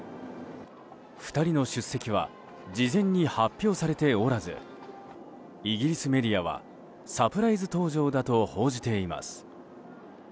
２人の出席は事前に発表されておらずイギリスメディアはサプライズ登場だと報じています。